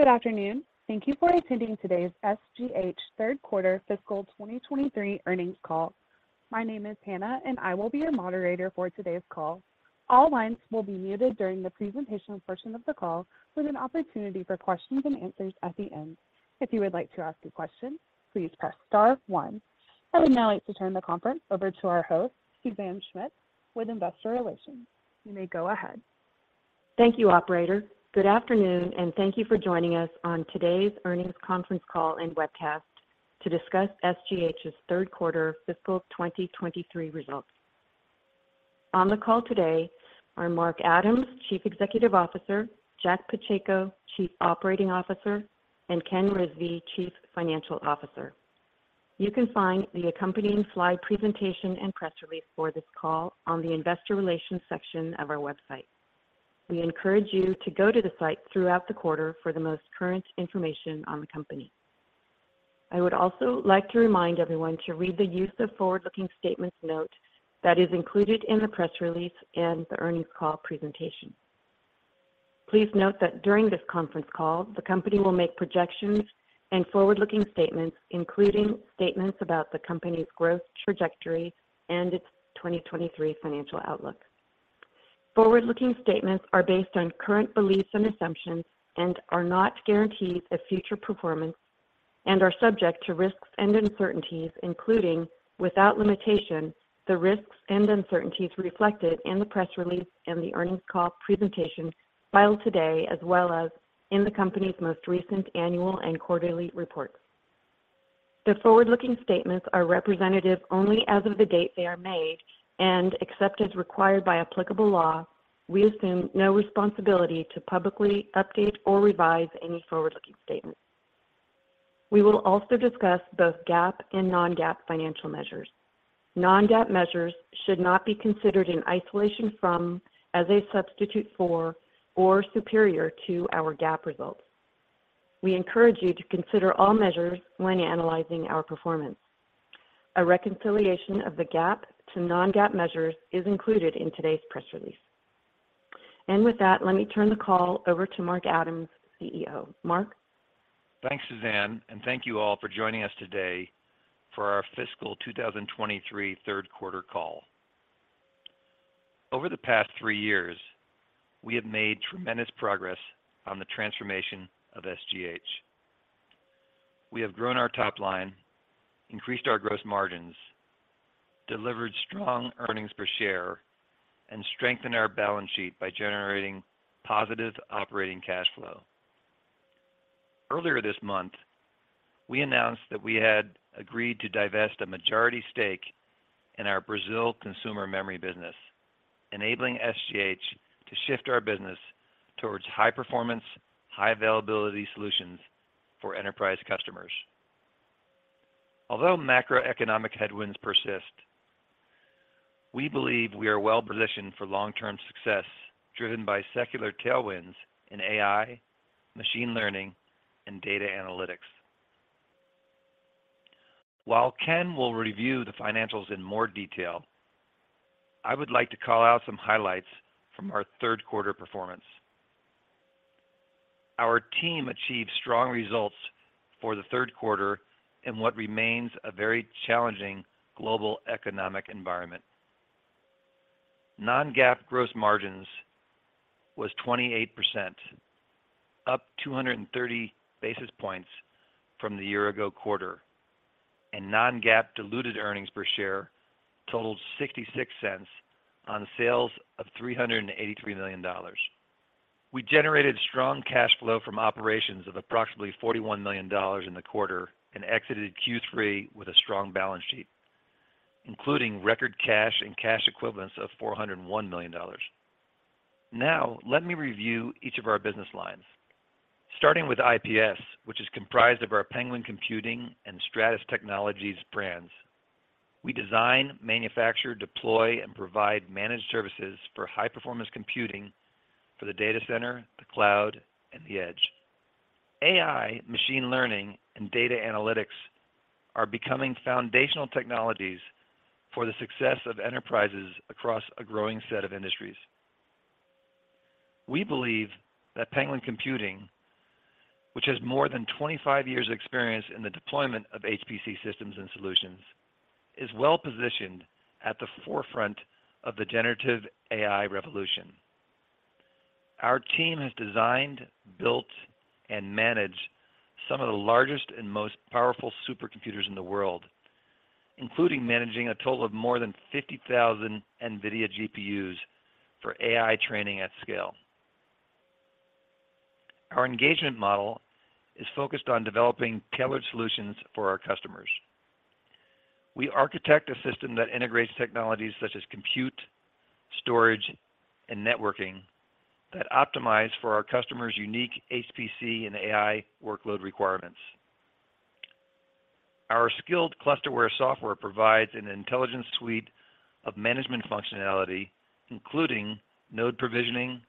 Good afternoon. Thank you for attending today's SGH Q3 fiscal 2023 earnings call. I would now like to turn the conference over to our host, Suzanne Schmidt, with Investor Relations. You may go ahead. Thank you, operator. Good afternoon, thank you for joining us on today's earnings conference call and webcast to discuss SGH's Q3 fiscal 2023 results. On the call today are Mark Adams, Chief Executive Officer, Jack Pacheco, Chief Operating Officer, Ken Rizvi, Chief Financial Officer. You can find the accompanying slide presentation and press release for this call on the Investor Relations section of our website. We encourage you to go to the site throughout the quarter for the most current information on the company. I would also like to remind everyone to read the use of forward-looking statements note that is included in the press release and the earnings call presentation. Please note that during this conference call, the company will make projections and forward-looking statements, including statements about the company's growth trajectory and its 2023 financial outlook. Forward-looking statements are based on current beliefs and assumptions and are not guarantees of future performance and are subject to risks and uncertainties, including, without limitation, the risks and uncertainties reflected in the press release and the earnings call presentation filed today, as well as in the company's most recent annual and quarterly reports. Except as required by applicable law, we assume no responsibility to publicly update or revise any forward-looking statements. We will also discuss both GAAP and non-GAAP financial measures. Non-GAAP measures should not be considered in isolation from, as a substitute for, or superior to our GAAP results. We encourage you to consider all measures when analyzing our performance. A reconciliation of the GAAP to non-GAAP measures is included in today's press release. With that, let me turn the call over to Mark Adams, CEO. Mark? Thanks, Suzanne, thank you all for joining us today for our fiscal 2023 3rd quarter call. Over the past 3 years, we have made tremendous progress on the transformation of SGH. We have grown our top line, increased our gross margins, delivered strong earnings per share, and strengthened our balance sheet by generating positive operating cash flow. Earlier this month, we announced that we had agreed to divest a majority stake in our Brazil consumer memory business, enabling SGH to shift our business towards high-performance, high-availability solutions for enterprise customers. Macroeconomic headwinds persist, we believe we are well positioned for long-term success, driven by secular tailwinds in AI, machine learning, and data analytics. Ken will review the financials in more detail, I would like to call out some highlights from our 3rd quarter performance. Our team achieved strong results for the Q3 in what remains a very challenging global economic environment. Non-GAAP gross margins was 28%, up 230 basis points from the year ago quarter, and non-GAAP diluted earnings per share totaled $0.66 on sales of $383 million. We generated strong cash flow from operations of approximately $41 million in the quarter and exited Q3 with a strong balance sheet, including record cash and cash equivalents of $401 million. Let me review each of our business lines. Starting with IPS, which is comprised of our Penguin Computing and Stratus Technologies brands. We design, manufacture, deploy, and provide managed services for high-performance computing for the data center, the cloud, and the edge. AI, machine learning, and data analytics are becoming foundational technologies for the success of enterprises across a growing set of industries. We believe that Penguin Computing, which has more than 25 years of experience in the deployment of HPC systems and solutions, is well positioned at the forefront of the generative AI revolution. Our team has designed, built, and managed some of the largest and most powerful supercomputers in the world, including managing a total of more than 50,000 NVIDIA GPUs for AI training at scale. Our engagement model is focused on developing tailored solutions for our customers. We architect a system that integrates technologies such as compute, storage, and networking that optimize for our customers' unique HPC and AI workload requirements. Our Scyld ClusterWare software provides an intelligent suite of management functionality, including node provisioning,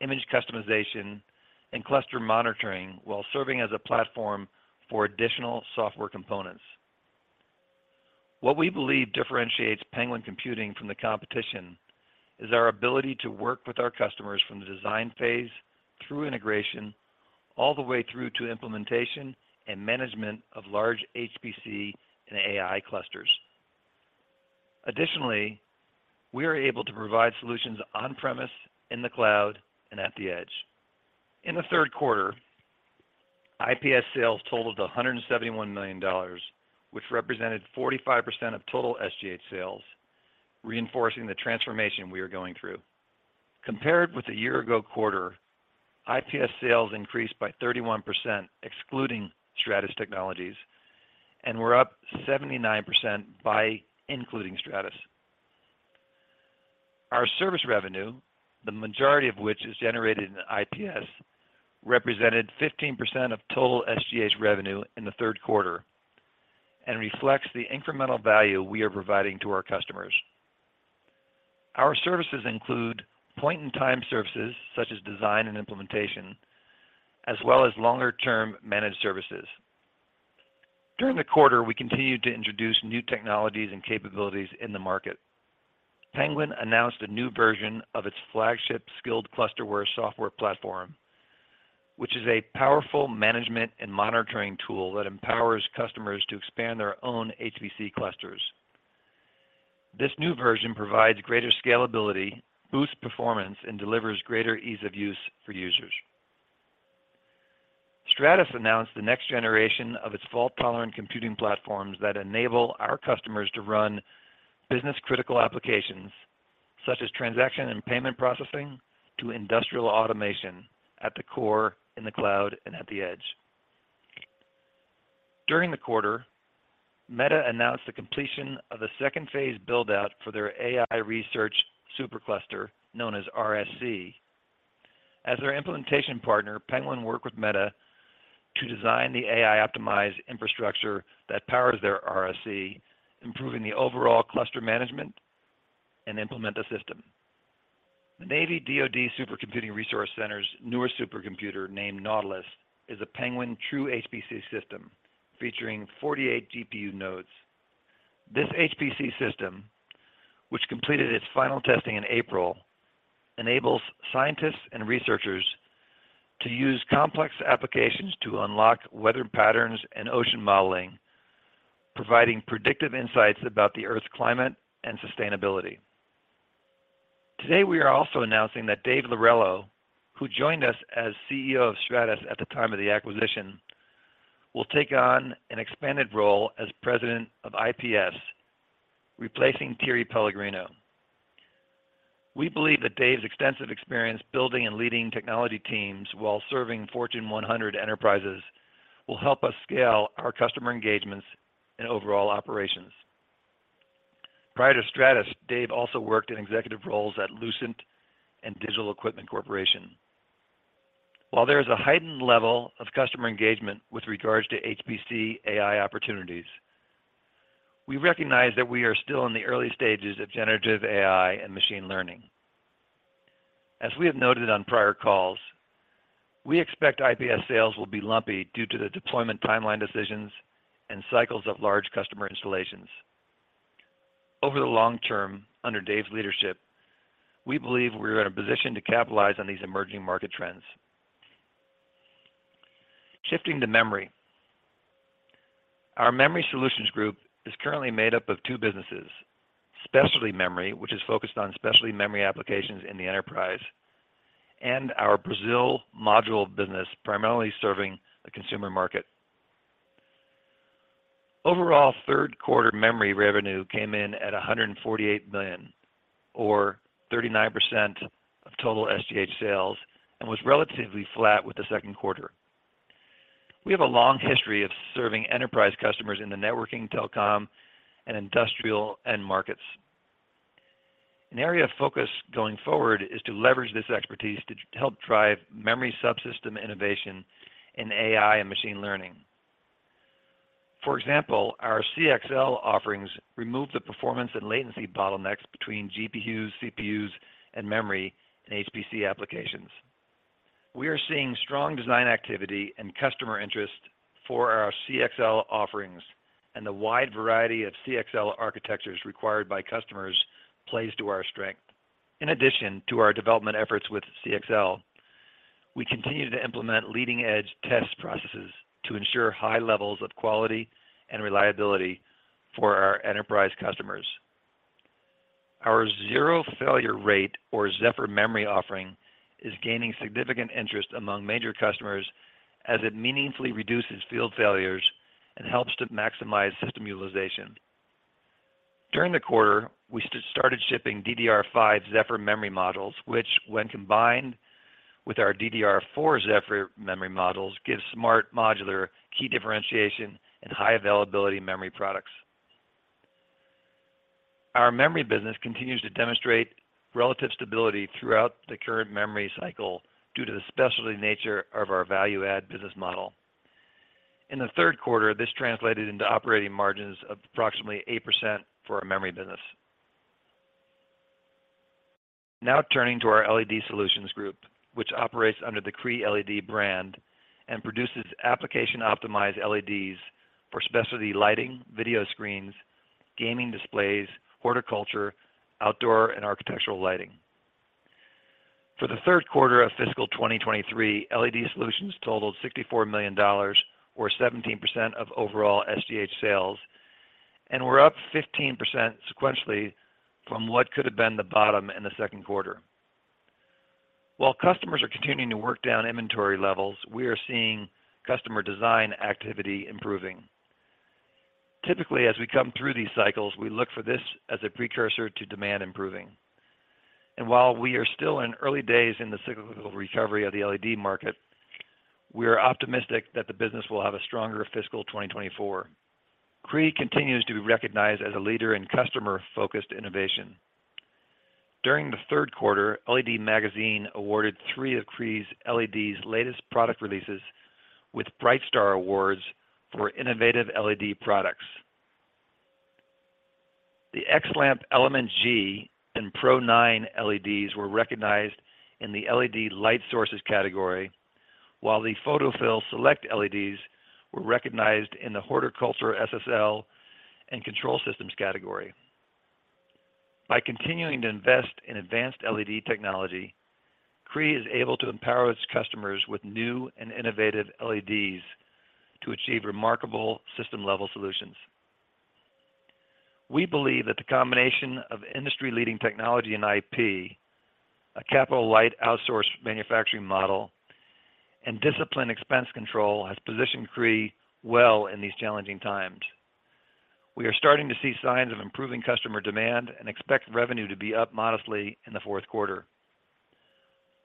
image customization, and cluster monitoring, while serving as a platform for additional software components. What we believe differentiates Penguin Computing from the competition is our ability to work with our customers from the design phase through integration, all the way through to implementation and management of large HPC and AI clusters. Additionally, we are able to provide solutions on-premise, in the cloud, and at the edge. In the Q3, IPS sales totaled $171 million, which represented 45% of total SGH sales, reinforcing the transformation we are going through. Compared with the year-ago quarter, IPS sales increased by 31%, excluding Stratus Technologies, and were up 79% by including Stratus. Our service revenue, the majority of which is generated in IPS, represented 15% of total SGH revenue in the Q3 and reflects the incremental value we are providing to our customers. Our services include point-in-time services, such as design and implementation, as well as longer-term managed services. During the quarter, we continued to introduce new technologies and capabilities in the market. Penguin announced a new version of its flagship Scyld ClusterWare software platform, which is a powerful management and monitoring tool that empowers customers to expand their own HPC clusters. This new version provides greater scalability, boosts performance, and delivers greater ease of use for users. Stratus announced the next generation of its fault-tolerant computing platforms that enable our customers to run business-critical applications such as transaction and payment processing to industrial automation at the core, in the cloud, and at the edge. During the quarter, Meta announced the completion of the 2nd phase build-out for their AI Research SuperCluster, known as RSC. As their implementation partner, Penguin worked with Meta to design the AI-optimized infrastructure that powers their RSC, improving the overall cluster management and implement the system. The Navy DoD Supercomputing Resource Center's newer supercomputer, named Nautilus, is a Penguin TrueHPC system featuring 48 GPU nodes. This HPC system, which completed its final testing in April, enables scientists and researchers to use complex applications to unlock weather patterns and ocean modeling, providing predictive insights about the Earth's climate and sustainability. Today, we are also announcing that Dave Laurello, who joined us as CEO of Stratus at the time of the acquisition, will take on an expanded role as President of IPS, replacing Thierry Pellegrino. We believe that Dave Laurello's extensive experience building and leading technology teams while serving Fortune 100 enterprises will help us scale our customer engagements and overall operations. Prior to Stratus Technologies, Dave Laurello also worked in executive roles at Lucent Technologies and Digital Equipment Corporation. While there is a heightened level of customer engagement with regards to HPC AI opportunities, we recognize that we are still in the early stages of generative AI and machine learning. As we have noted on prior calls, we expect IPS sales will be lumpy due to the deployment timeline decisions and cycles of large customer installations. Over the long term, under Dave Laurello's leadership, we believe we are in a position to capitalize on these emerging market trends. Shifting to memory. Our Memory Solutions Group is currently made up of two businesses, Specialty Memory, which is focused on specialty memory applications in the enterprise, and our Brazil Module business, primarily serving the consumer market. Overall, Q3 memory revenue came in at $148 million, or 39% of total SGH sales, and was relatively flat with the Q2. We have a long history of serving enterprise customers in the networking, telecom, and industrial end markets. An area of focus going forward is to leverage this expertise to help drive memory subsystem innovation in AI and machine learning. For example, our CXL offerings remove the performance and latency bottlenecks between GPUs, CPUs, and memory in HPC applications. We are seeing strong design activity and customer interest for our CXL offerings, and the wide variety of CXL architectures required by customers plays to our strength. In addition to our development efforts with CXL, we continue to implement leading-edge test processes to ensure high levels of quality and reliability for our enterprise customers. Our Zero Failure Rate, or Zefr memory offering, is gaining significant interest among major customers as it meaningfully reduces field failures and helps to maximize system utilization. During the quarter, we started shipping DDR5 Zefr memory models, which when combined with our DDR4 Zefr memory models, gives SMART Modular key differentiation and high availability memory products. Our memory business continues to demonstrate relative stability throughout the current memory cycle due to the specialty nature of our value-add business model. In the Q3, this translated into operating margins of approximately 8% for our memory business. Turning to our LED Solutions Group, which operates under the Cree LED brand and produces application-optimized LEDs for specialty lighting, video screens, gaming displays, horticulture, outdoor, and architectural lighting. For the Q3 of fiscal 2023, LED Solutions totaled $64 million, or 17% of overall SGH sales, were up 15% sequentially from what could have been the bottom in the Q2. While customers are continuing to work down inventory levels, we are seeing customer design activity improving. Typically, as we come through these cycles, we look for this as a precursor to demand improving. While we are still in early days in the cyclical recovery of the LED market, we are optimistic that the business will have a stronger fiscal 2024. Cree continues to be recognized as a leader in customer-focused innovation. During the Q3, LEDs Magazine awarded three of Cree's LEDs latest product releases with BrightStar Awards for innovative LED products. The XLamp Element G and Pro9 LEDs were recognized in the LED Light Sources category, while the Photophyll Select LEDs were recognized in the Horticulture, SSL, and Control Systems category. By continuing to invest in advanced LED technology, Cree is able to empower its customers with new and innovative LEDs to achieve remarkable system-level solutions. We believe that the combination of industry-leading technology and IP, a capital-light outsourced manufacturing model, and disciplined expense control has positioned Cree well in these challenging times. We are starting to see signs of improving customer demand and expect revenue to be up modestly in the Q4.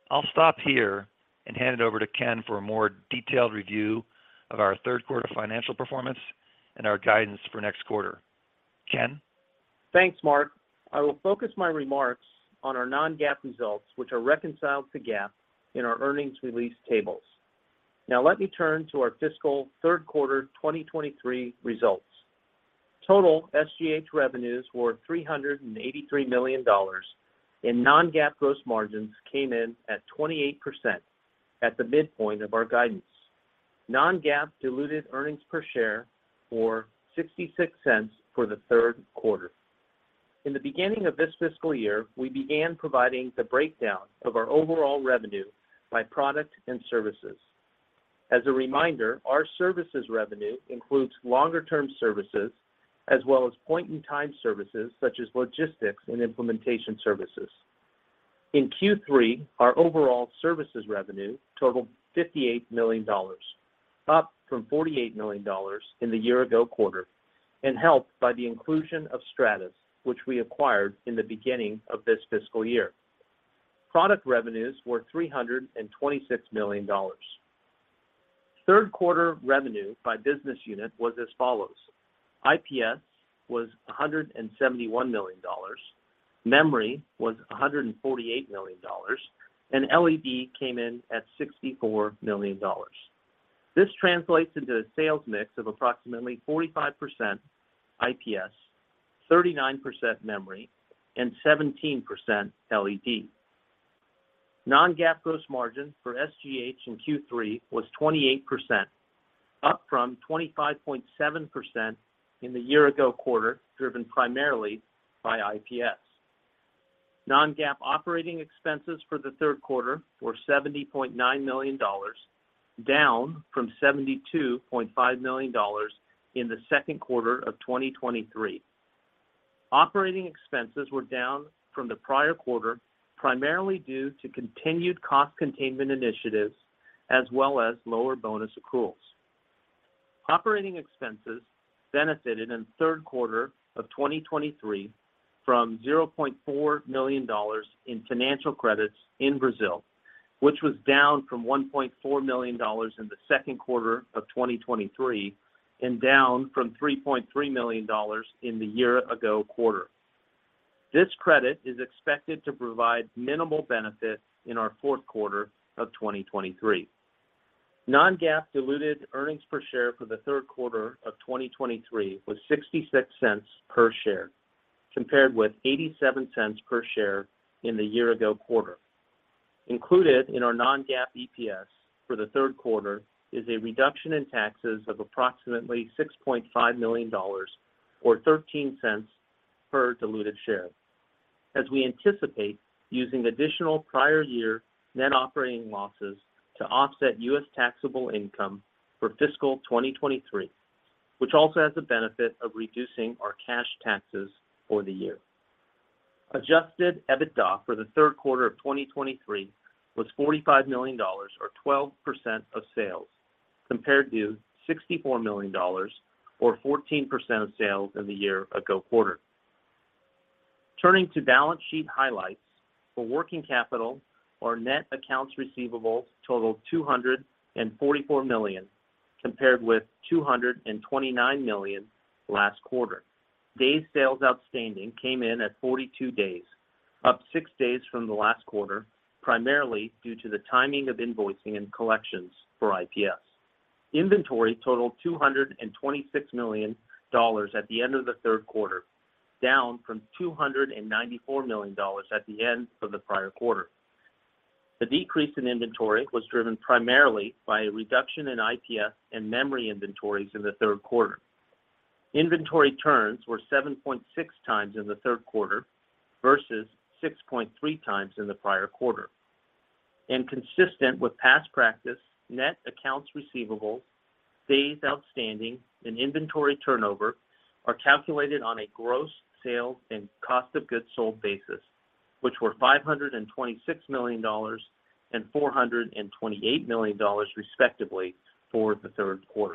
I'll stop here and hand it over to Ken for a more detailed review of our Q3 financial performance and our guidance for next quarter. Ken? Thanks, Mark. I will focus my remarks on our non-GAAP results, which are reconciled to GAAP in our earnings release tables. Now let me turn to our fiscal Q3 2023 results. Total SGH revenues were $383 million, and non-GAAP gross margins came in at 28% at the midpoint of our guidance. Non-GAAP diluted earnings per share were $0.66 for the Q3. The beginning of this fiscal year, we began providing the breakdown of our overall revenue by product and services. As a reminder, our services revenue includes longer-term services, as well as point-in-time services such as logistics and implementation services. In Q3, our overall services revenue totaled $58 million, up from $48 million in the year-ago quarter, helped by the inclusion of Stratus, which we acquired in the beginning of this fiscal year. Product revenues were $326 million. Q3 revenue by business unit was as follows: IPS was $171 million, memory was $148 million, and LED came in at $64 million. This translates into a sales mix of approximately 45% IPS, 39% memory, and 17% LED. Non-GAAP gross margin for SGH in Q3 was 28%, up from 25.7% in the year ago quarter, driven primarily by IPS. Non-GAAP operating expenses for the Q3 were $70.9 million, down from $72.5 million in the Q2 of 2023. Operating expenses were down from the prior quarter, primarily due to continued cost containment initiatives, as well as lower bonus accruals. Operating expenses benefited in the Q3 of 2023 from $0.4 million in financial credits in Brazil, which was down from $1.4 million in the Q2 of 2023 and down from $3.3 million in the year ago quarter. This credit is expected to provide minimal benefit in our Q4 of 2023. Non-GAAP diluted earnings per share for the Q3 of 2023 was $0.66 per share, compared with $0.87 per share in the year ago quarter. Included in our non-GAAP EPS for the Q3 is a reduction in taxes of approximately $6.5 million, or $0.13 per diluted share, as we anticipate using additional prior year net operating losses to offset U.S. taxable income for fiscal 2023, which also has the benefit of reducing our cash taxes for the year. Adjusted EBITDA for the Q3 of 2023 was $45 million, or 12% of sales, compared to $64 million, or 14% of sales in the year ago quarter. Turning to balance sheet highlights, for working capital, our net accounts receivable totaled $244 million, compared with $229 million last quarter. Days sales outstanding came in at 42 days, up six days from the last quarter, primarily due to the timing of invoicing and collections for IPS.... Inventory totaled $226 million at the end of the Q3, down from $294 million at the end of the prior quarter. The decrease in inventory was driven primarily by a reduction in IPS and memory inventories in the Q3. Inventory turns were 7.6 times in the Q3 versus 6.3 times in the prior quarter. Consistent with past practice, net accounts receivable, days outstanding, and inventory turnover are calculated on a gross sales and cost of goods sold basis, which were $526 million and $428 million, respectively, for the Q3.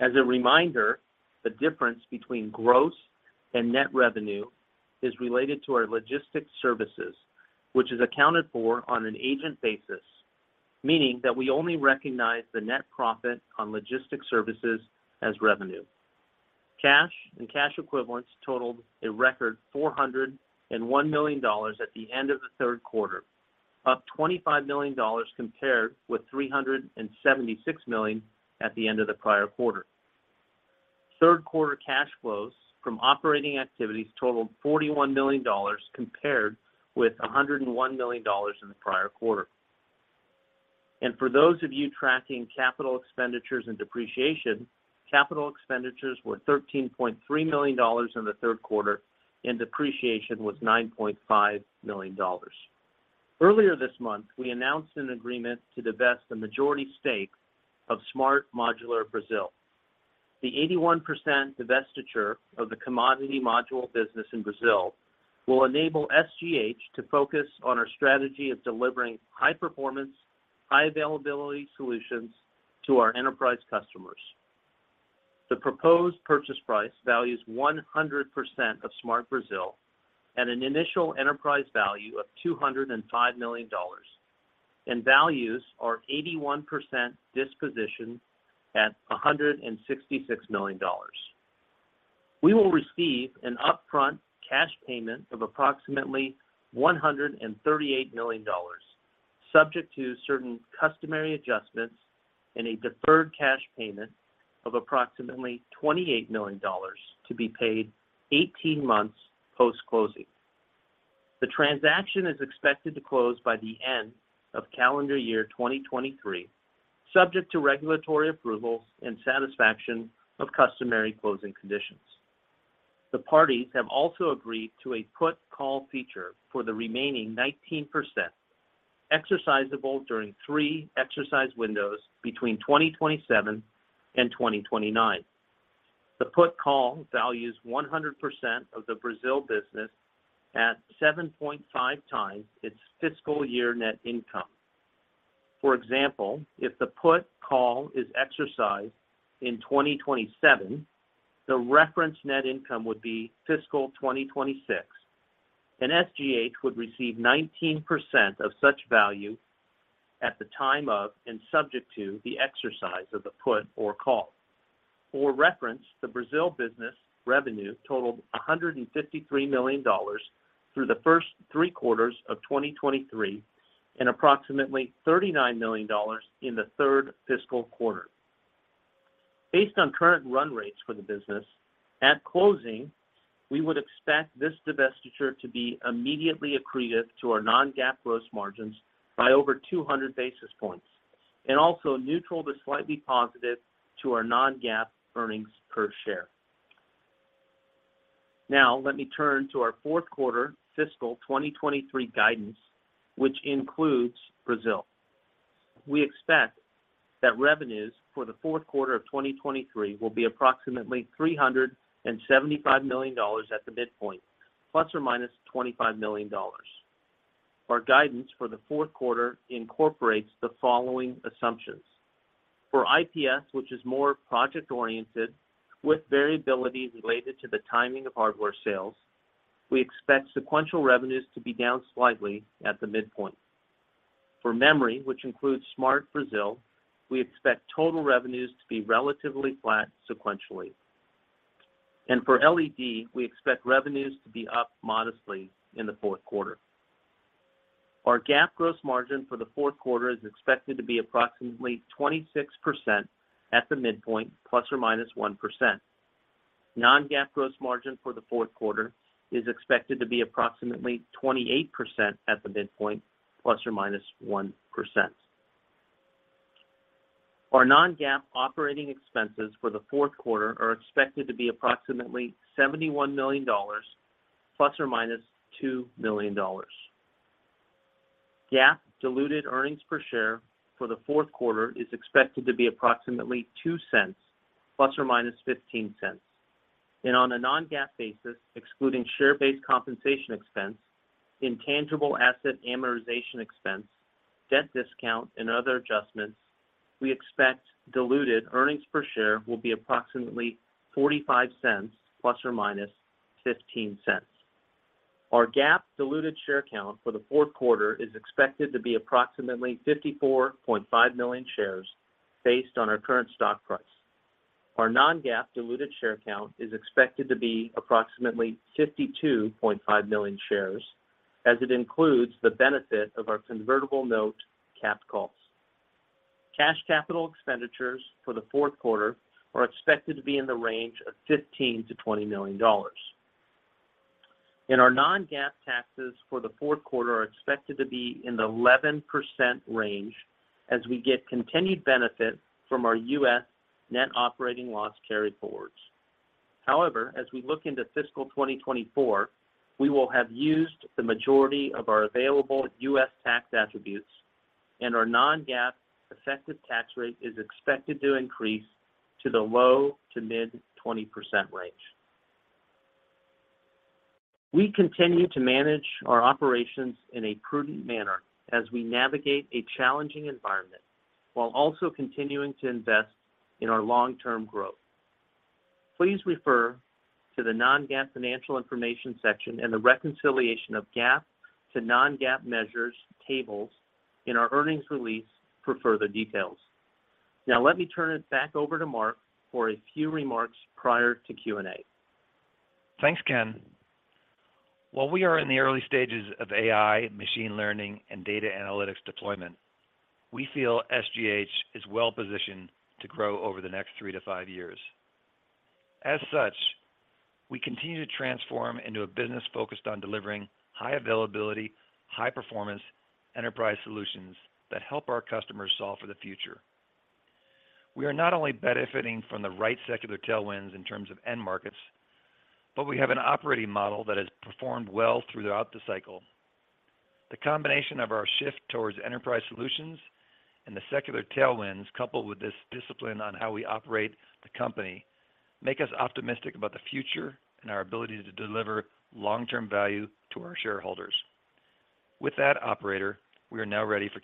As a reminder, the difference between gross and net revenue is related to our logistics services, which is accounted for on an agent basis, meaning that we only recognize the net profit on logistic services as revenue. Cash and cash equivalents totaled a record $401 million at the end of the Q3, up $25 million compared with $376 million at the end of the prior quarter. Q3 cash flows from operating activities totaled $41 million, compared with $101 million in the prior quarter. For those of you tracking capital expenditures and depreciation, capital expenditures were $13.3 million in the Q3, and depreciation was $9.5 million. Earlier this month, we announced an agreement to divest the majority stake of SMART Modular Brazil. The 81% divestiture of the commodity module business in Brazil will enable SGH to focus on our strategy of delivering high-performance, high-availability solutions to our enterprise customers. The proposed purchase price values 100% of SMART Brazil at an initial enterprise value of $205 million, and values our 81% disposition at $166 million. We will receive an upfront cash payment of approximately $138 million, subject to certain customary adjustments and a deferred cash payment of approximately $28 million to be paid 18 months post-closing. The transaction is expected to close by the end of calendar year 2023, subject to regulatory approval and satisfaction of customary closing conditions. The parties have also agreed to a put call feature for the remaining 19%, exercisable during 3 exercise windows between 2027 and 2029. The put call values 100% of the Brazil business at 7.5x its fiscal year net income. For example, if the put call is exercised in 2027, the reference net income would be fiscal 2026, and SGH would receive 19% of such value at the time of, and subject to, the exercise of the put or call. For reference, the Brazil business revenue totaled $153 million through the first 3 quarters of 2023, and approximately $39 million in the third fiscal quarter. Based on current run rates for the business, at closing, we would expect this divestiture to be immediately accretive to our non-GAAP gross margins by over 200 basis points, and also neutral to slightly positive to our non-GAAP earnings per share. Now, let me turn to our Q4 fiscal 2023 guidance, which includes Brazil. We expect that revenues for the Q4 of 2023 will be approximately $375 million at the midpoint, ±$25 million. Our guidance for the Q4 incorporates the following assumptions: For IPS, which is more project-oriented with variability related to the timing of hardware sales, we expect sequential revenues to be down slightly at the midpoint. For memory, which includes SMART Brazil, we expect total revenues to be relatively flat sequentially. For LED, we expect revenues to be up modestly in the Q4. Our GAAP gross margin for the Q4 is expected to be approximately 26% at the midpoint, ±1%. Non-GAAP gross margin for the Q4 is expected to be approximately 28% at the midpoint, ±1%. Our non-GAAP operating expenses for the Q4 are expected to be approximately $71 million, ±$2 million. GAAP diluted earnings per share for the Q4 is expected to be approximately $0.02, ±$0.15. On a non-GAAP basis, excluding share-based compensation expense, intangible asset amortization expense, debt discount, and other adjustments, we expect diluted earnings per share will be approximately $0.45, ±$0.15. Our GAAP diluted share count for the Q4 is expected to be approximately 54.5 million shares based on our current stock price. Our non-GAAP diluted share count is expected to be approximately 52.5 million shares, as it includes the benefit of our convertible note capped costs. Cash capital expenditures for the Q4 are expected to be in the range of $15 million-$20 million. Our non-GAAP taxes for the Q4 are expected to be in the 11% range as we get continued benefit from our U.S. net operating loss carryforwards. However, as we look into fiscal 2024, we will have used the majority of our available U.S. tax attributes, and our non-GAAP effective tax rate is expected to increase to the low to mid-20% range. We continue to manage our operations in a prudent manner as we navigate a challenging environment, while also continuing to invest in our long-term growth. Please refer to the non-GAAP financial information section and the reconciliation of GAAP to non-GAAP measures tables in our earnings release for further details. Now let me turn it back over to Mark for a few remarks prior to Q&A. Thanks, Ken. While we are in the early stages of AI, machine learning, and data analytics deployment, we feel SGH is well positioned to grow over the next three to five years. As such, we continue to transform into a business focused on delivering high availability, high performance enterprise solutions that help our customers solve for the future. We are not only benefiting from the right secular tailwinds in terms of end markets, but we have an operating model that has performed well throughout the cycle. The combination of our shift towards enterprise solutions and the secular tailwinds, coupled with this discipline on how we operate the company, make us optimistic about the future and our ability to deliver long-term value to our shareholders. With that, operator, we are now ready for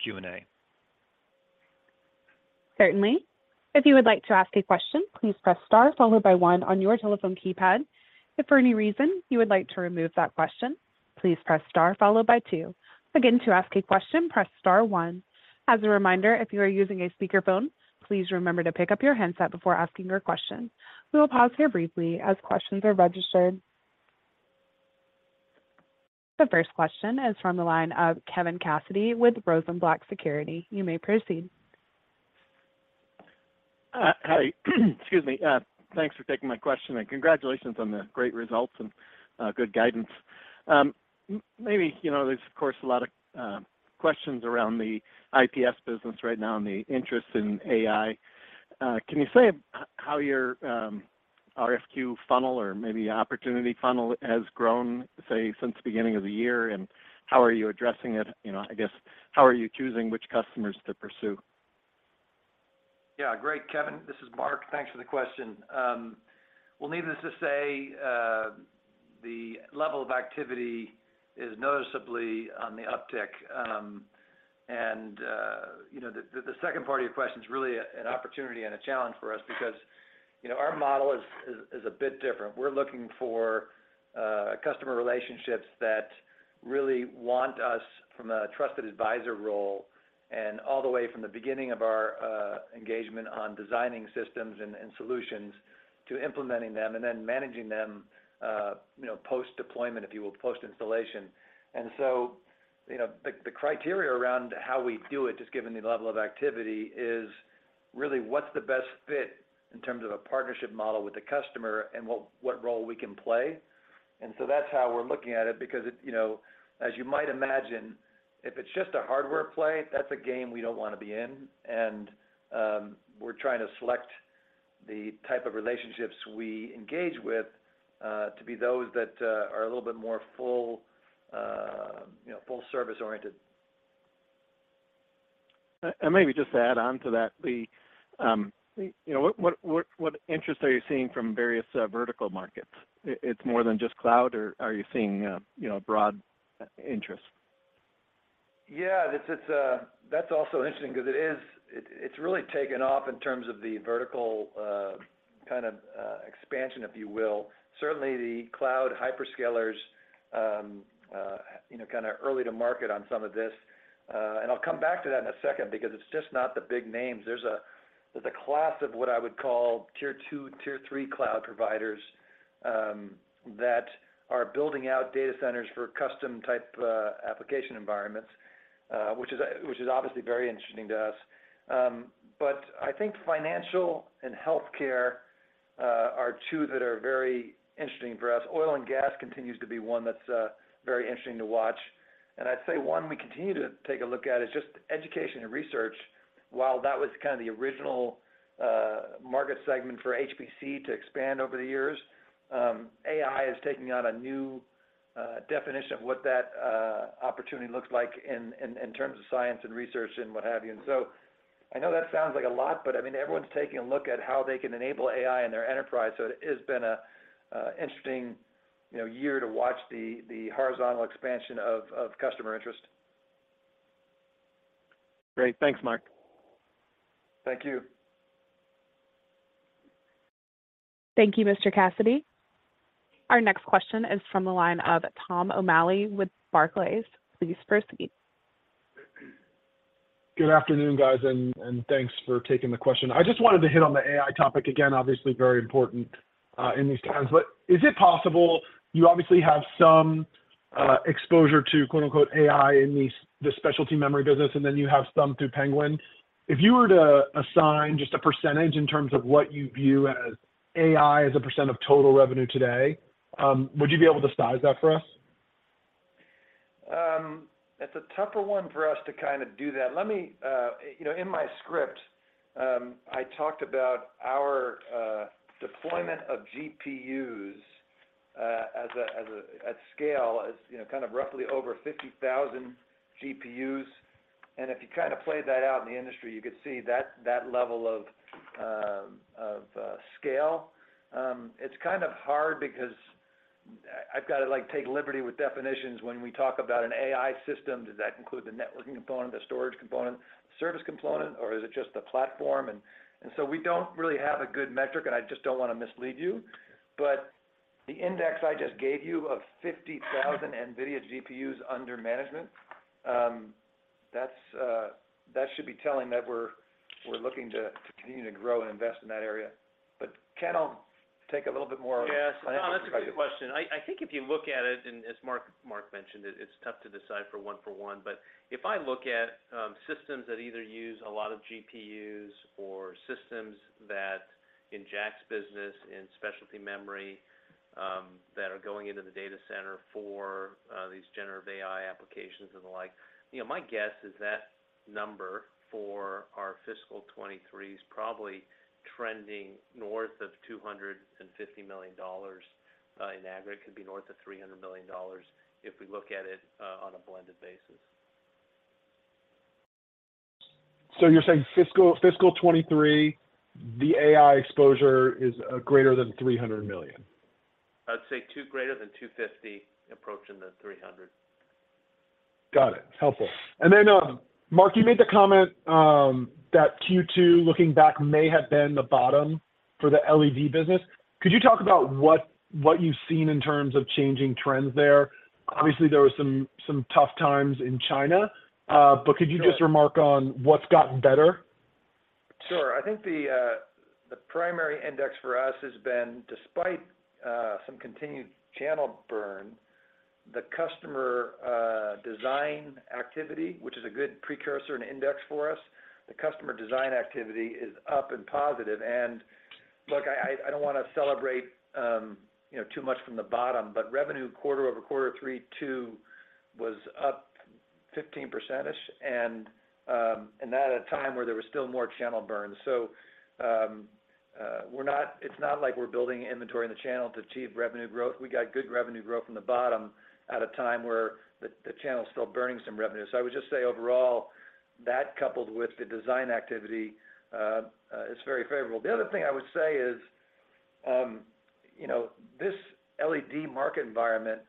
Q&A. Hi. Excuse me. Thanks for taking my question, and congratulations on the great results and good guidance. Maybe, you know, there's of course, a lot of questions around the IPS business right now and the interest in AI. Can you say how your RFQ funnel or maybe opportunity funnel has grown, say, since the beginning of the year? How are you addressing it? You know, I guess, how are you choosing which customers to pursue? Great, Kevin. This is Mark. Thanks for the question. Well, needless to say, the level of activity is noticeably on the uptick. You know, the, the second part of your question is really an opportunity and a challenge for us because, you know, our model is, is a bit different. We're looking for customer relationships that really want us from a trusted advisor role and all the way from the beginning of our engagement on designing systems and solutions to implementing them and then managing them, you know, post-deployment, if you will, post-installation. You know, the criteria around how we do it, just given the level of activity, is really what's the best fit in terms of a partnership model with the customer and what role we can play. That's how we're looking at it, because it, you know, as you might imagine, if it's just a hardware play, that's a game we don't want to be in, and we're trying to select the type of relationships we engage with to be those that are a little bit more full, you know, full service-oriented. Maybe just to add on to that, the, you know, what interest are you seeing from various vertical markets? It's more than just cloud, or are you seeing, you know, broad interest? This is. That's also interesting because it's really taken off in terms of the vertical, kind of, expansion, if you will. Certainly, the cloud hyperscalers, you know, kinda early to market on some of this, and I'll come back to that in a second because it's just not the big names. There's a, there's a class of what I would call tier two, tier three cloud providers that are building out data centers for custom-type application environments, which is obviously very interesting to us. I think financial and healthcare are two that are very interesting for us. Oil and gas continues to be one that's very interesting to watch. I'd say one we continue to take a look at is just education and research. While that was kind of the original market segment for HPC to expand over the years, AI is taking on a new definition of what that opportunity looks like in, in terms of science and research and what have you. I know that sounds like a lot, but I mean, everyone's taking a look at how they can enable AI in their enterprise, it has been a interesting, you know, year to watch the horizontal expansion of customer interest. Great. Thanks, Mark. Thank you. Good afternoon, guys, and thanks for taking the question. I just wanted to hit on the AI topic again, obviously very important in these times. Is it possible you obviously have some exposure to, quote-unquote, "AI" in these, the Specialty Memory business, and then you have some through Penguin. If you were to assign just a % in terms of what you view as AI as a % of total revenue today, would you be able to size that for us? That's a tougher one for us to kind of do that. Let me, you know, in my script, I talked about our deployment of GPUs at scale, as, you know, kind of roughly over 50,000 GPUs. If you kind of play that out in the industry, you could see that level of scale. It's kind of hard because I've got to, like, take liberty with definitions when we talk about an AI system. Does that include the networking component, the storage component, service component, or is it just the platform? We don't really have a good metric, and I just don't want to mislead you. The index I just gave you of 50,000 NVIDIA GPUs under management, that's that should be telling that we're looking to continue to grow and invest in that area. Ken, I'll take a little bit more. Yeah, Tom, that's a great question. I think if you look at it, and as Mark mentioned it's tough to decipher one for one. If I look at systems that either use a lot of GPUs or systems that in Jack's business, in Specialty Memory, that are going into the data center for these generative AI applications and the like, you know, my guess is that number for our fiscal 2023 is probably trending north of $250 million in aggregate, could be north of $300 million if we look at it on a blended basis. You're saying fiscal 2023, the AI exposure is greater than $300 million? I'd say greater than 250, approaching the 300. Got it. Helpful. Mark, you made the comment that Q2, looking back, may have been the bottom for the LED business. Could you talk about what you've seen in terms of changing trends there? Obviously, there were some tough times in China, could you just remark on what's gotten better? Sure. I think the primary index for us has been, despite some continued channel burn, the customer design activity, which is a good precursor and index for us, the customer design activity is up and positive. Look, I don't want to celebrate, you know, too much from the bottom, but revenue quarter over quarter three two was up 15%-ish, and that at a time where there was still more channel burn. It's not like we're building inventory in the channel to achieve revenue growth. We got good revenue growth from the bottom at a time where the channel is still burning some revenue. I would just say overall, that coupled with the design activity is very favorable. The other thing I would say is, you know, this LED market environment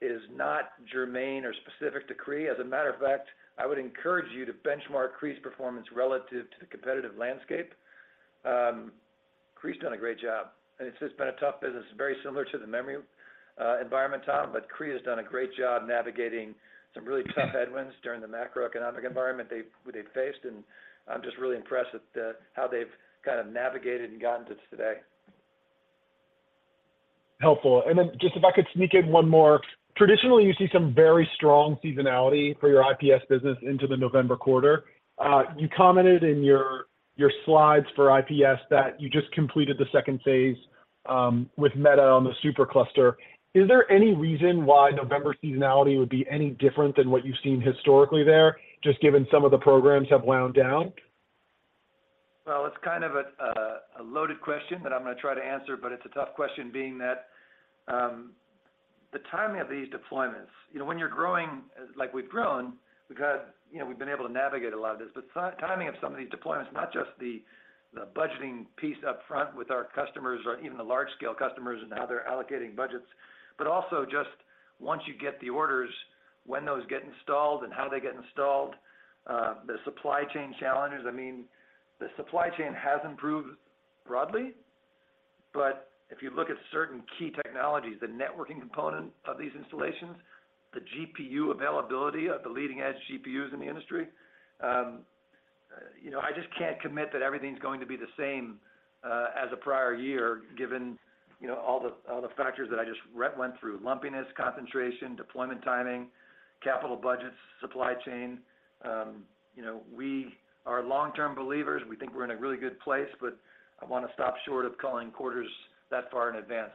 is not germane or specific to Cree. As a matter of fact, I would encourage you to benchmark Cree's performance relative to the competitive landscape. Cree's done a great job, and it's just been a tough business, very similar to the memory environment, Tom, but Cree has done a great job navigating some really tough headwinds during the macroeconomic environment they've faced, and I'm just really impressed at the, how they've kind of navigated and gotten to today. Helpful. Then just if I could sneak in one more. Traditionally, you see some very strong seasonality for your IPS business into the November quarter. You commented in your slides for IPS that you just completed the second phase, with Meta on the supercluster. Is there any reason why November seasonality would be any different than what you've seen historically there, just given some of the programs have wound down? Well, it's kind of a loaded question that I'm going to try to answer, but it's a tough question, being that, the timing of these deployments. You know, when you're growing, like we've grown, we've got, you know, we've been able to navigate a lot of this, but timing of some of these deployments, not just the budgeting piece upfront with our customers or even the large scale customers and how they're allocating budgets, but also just once you get the orders, when those get installed and how they get installed, the supply chain challenges. I mean, the supply chain has improved broadly. If you look at certain key technologies, the networking component of these installations, the GPU availability of the leading-edge GPUs in the industry, you know, I just can't commit that everything's going to be the same as the prior year, given, you know, all the, all the factors that I just went through: lumpiness, concentration, deployment, timing, capital budgets, supply chain. You know, we are long-term believers. We think we're in a really good place, but I want to stop short of calling quarters that far in advance.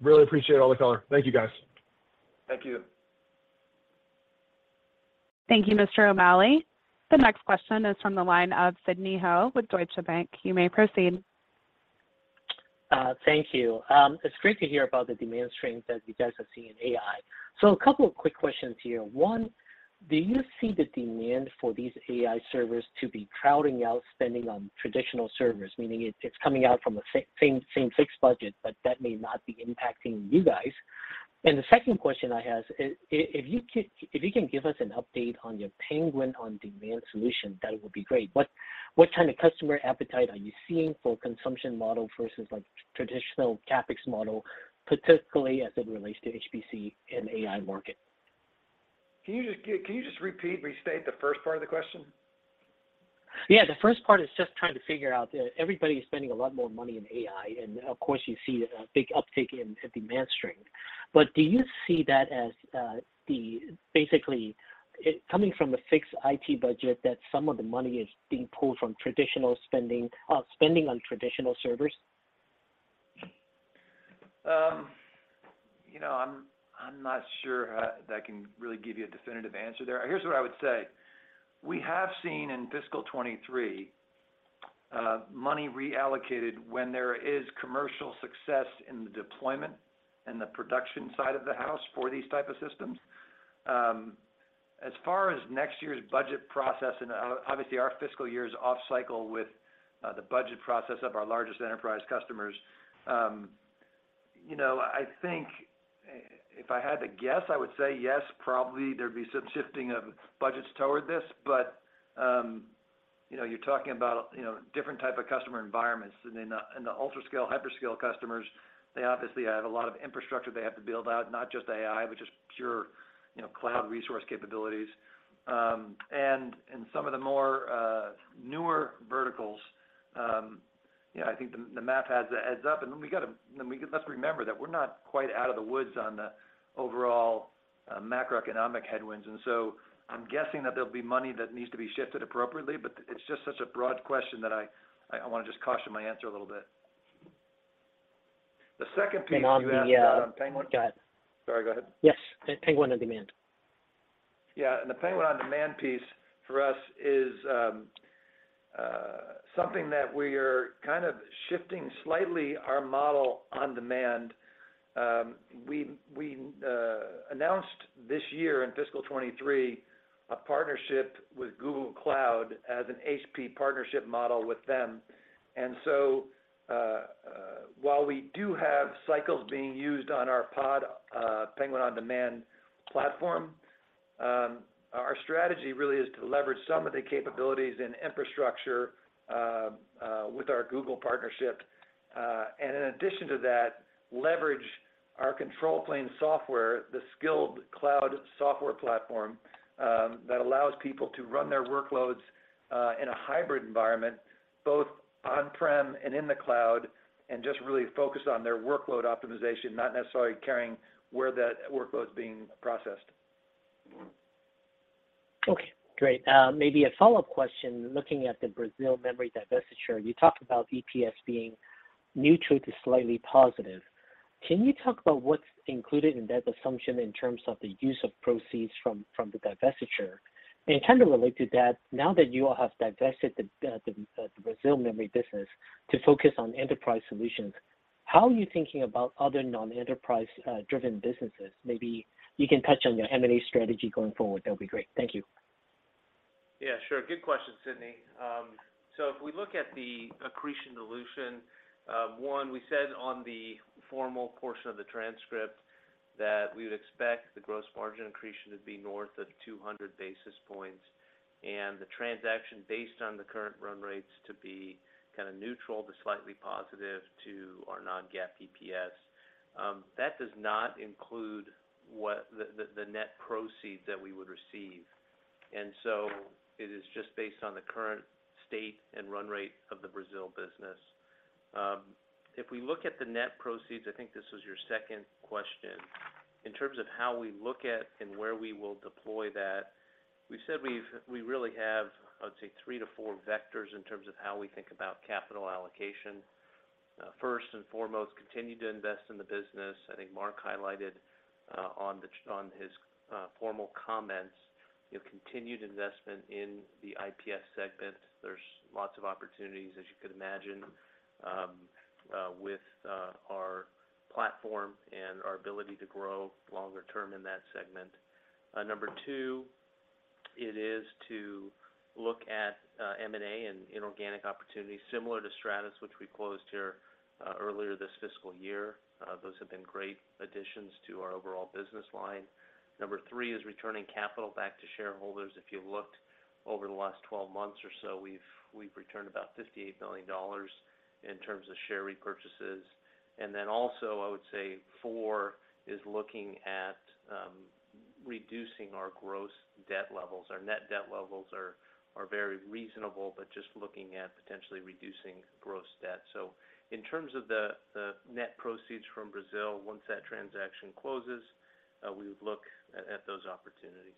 Really appreciate all the color. Thank you, guys. Thank you. Thank you. It's great to hear about the demand strength that you guys are seeing in AI. A couple of quick questions here. One, do you see the demand for these AI servers to be crowding out spending on traditional servers? Meaning it's coming out from the same fixed budget, but that may not be impacting you guys. The second question I have is, if you can give us an update on your Penguin On Demand solution, that would be great. What kind of customer appetite are you seeing for consumption model versus, like, traditional CapEx model, particularly as it relates to HPC and AI market? Can you just repeat, restate the first part of the question? The first part is just trying to figure out that everybody is spending a lot more money in AI, and of course, you see a big uptick in demand string. Do you see that as the basically, it coming from a fixed IT budget, that some of the money is being pulled from traditional spending on traditional servers? You know, I'm not sure that I can really give you a definitive answer there. Here's what I would say. We have seen in fiscal 2023 money reallocated when there is commercial success in the deployment and the production side of the house for these type of systems. As far as next year's budget process, obviously, our fiscal year is off cycle with the budget process of our largest enterprise customers. You know, I think if I had to guess, I would say yes, probably there'd be some shifting of budgets toward this, but, you know, you're talking about, you know, different type of customer environments. In the, in the ultra scale, hyperscale customers, they obviously have a lot of infrastructure they have to build out, not just AI, but just pure, you know, cloud resource capabilities. In some of the more, newer verticals, yeah, I think the math adds up. Let's remember that we're not quite out of the woods on the overall macroeconomic headwinds. I'm guessing that there'll be money that needs to be shifted appropriately, but it's just such a broad question that I want to just caution my answer a little bit. The second piece you asked about on Penguin Solutions. Got it. Sorry, go ahead. Yes, Penguin On Demand. Yeah, the Penguin On Demand piece for us is something that we are kind of shifting slightly our model on demand. We announced this year in fiscal 2023, a partnership with Google Cloud as an HP partnership model with them. While we do have cycles being used on our POD, Penguin On Demand platform, our strategy really is to leverage some of the capabilities and infrastructure with our Google partnership. In addition to that, leverage our control plane software, the Scyld cloud software platform, that allows people to run their workloads in a hybrid environment, both on-prem and in the cloud, and just really focus on their workload optimization, not necessarily caring where that workload is being processed. Okay, great. Maybe a follow-up question, looking at the Brazil memory divestiture. You talked about EPS being neutral to slightly positive. Can you talk about what's included in that assumption in terms of the use of proceeds from the divestiture? Kind of related to that, now that you all have divested the Brazil memory business to focus on enterprise solutions, how are you thinking about other non-enterprise driven businesses? Maybe you can touch on your M&A strategy going forward. That would be great. Thank you. Yeah, sure. Good question, Sidney. If we look at the accretion dilution, one, we said on the formal portion of the transcript that we would expect the gross margin accretion to be north of 200 basis points, and the transaction based on the current run rates to be kind of neutral to slightly positive to our non-GAAP EPS. That does not include what the net proceeds that we would receive, it is just based on the current state and run rate of the Brazil business. If we look at the net proceeds, I think this was your second question, in terms of how we look at and where we will deploy that, we really have, I would say, three to four vectors in terms of how we think about capital allocation. First and foremost, continue to invest in the business. I think Mark highlighted on his formal comments, you know, continued investment in the IPS segment. There's lots of opportunities, as you could imagine, with our platform and our ability to grow longer term in that segment. Number two, it is to look at M&A and inorganic opportunities similar to Stratus, which we closed here earlier this fiscal year. Those have been great additions to our overall business line. Number three is returning capital back to shareholders. If you looked over the last 12 months or so, we've returned about $58 billion in terms of share repurchases. Also, I would say, 4 is looking at reducing our gross debt levels. Our net debt levels are very reasonable, but just looking at potentially reducing gross debt. In terms of the net proceeds from Brazil, once that transaction closes, we would look at those opportunities.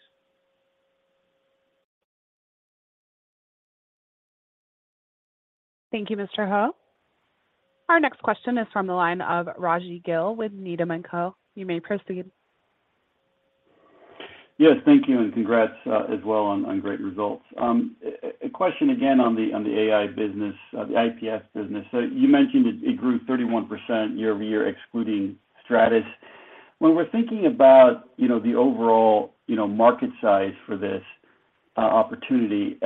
Yes, thank you, and congrats, as well on great results. A question again on the AI business, the IPS business. You mentioned it grew 31% year-over-year, excluding Stratus. When we're thinking about, you know, the overall, you know, market size for this opportunity,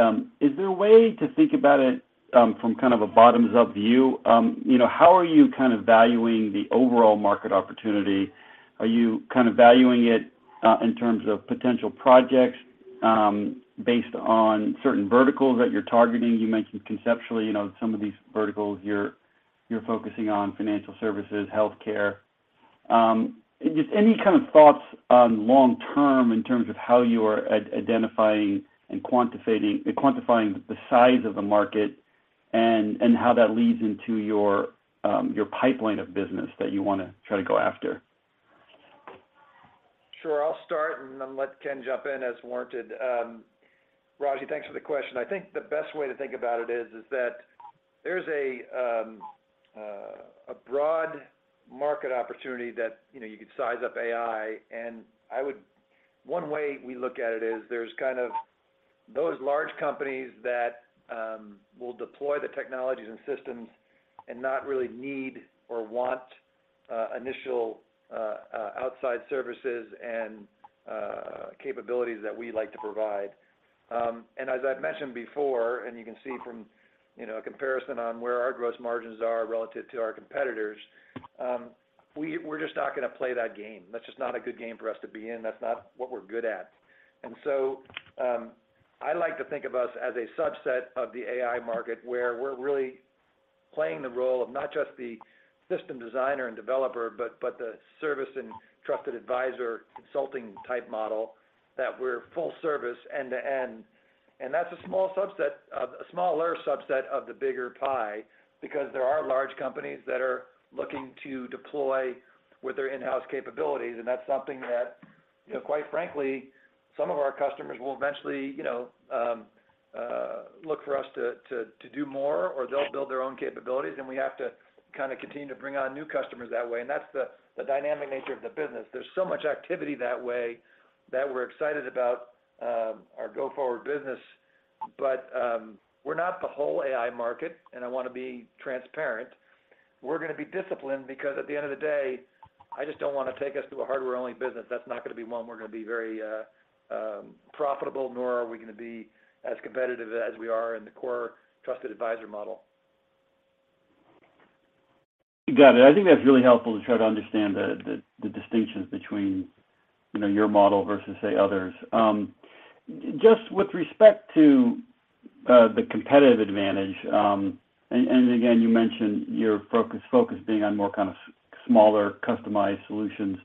is there a way to think about it from kind of a bottoms-up view? You know, how are you kind of valuing the overall market opportunity? Are you kind of valuing it in terms of potential projects, based on certain verticals that you're targeting? You mentioned conceptually, you know, some of these verticals, you're focusing on financial services, healthcare. Just any kind of thoughts on long term in terms of how you are identifying and quantifying the size of the market, and how that leads into your pipeline of business that you wanna try to go after? Sure. I'll start and then let Ken jump in as warranted. Raji, thanks for the question. I think the best way to think about it is that there's a broad market opportunity that, you know, you could size up AI. One way we look at it is there's kind of those large companies that will deploy the technologies and systems and not really need or want initial outside services and capabilities that we like to provide. As I've mentioned before, and you can see from, you know, a comparison on where our gross margins are relative to our competitors, we're just not gonna play that game. That's just not a good game for us to be in. That's not what we're good at. I like to think of us as a subset of the AI market, where we're really playing the role of not just the system designer and developer, but the service and trusted advisor, consulting type model, that we're full service, end-to-end. That's a small subset, a smaller subset of the bigger pie, because there are large companies that are looking to deploy with their in-house capabilities, and that's something that, you know, quite frankly, some of our customers will eventually, you know, look for us to do more, or they'll build their own capabilities, and we have to kind of continue to bring on new customers that way. That's the dynamic nature of the business. There's so much activity that way, that we're excited about our go-forward business. We're not the whole AI market, and I want to be transparent. We're gonna be disciplined, because at the end of the day, I just don't want to take us to a hardware-only business. That's not gonna be one we're gonna be very profitable, nor are we gonna be as competitive as we are in the core trusted advisor model. Got it. I think that's really helpful to try to understand the distinctions between, you know, your model versus, say, others. Just with respect to the competitive advantage, and again, you mentioned your focus being on more kind of smaller, customized solutions.